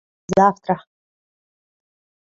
— Взавтра.